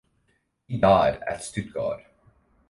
He died at Stuttgart.